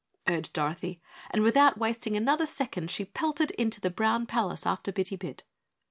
urged Dorothy, and without wasting another second she pelted into the brown palace after Bitty Bit.